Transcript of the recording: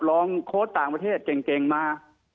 โค้ชต่างประเทศเก่งมา